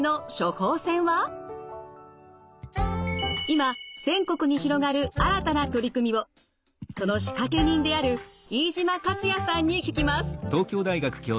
今全国に広がる新たな取り組みをその仕掛け人である飯島勝矢さんに聞きます。